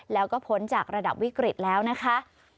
แล้วก็พ้นจากระดับวิกฤตแล้วนะคะ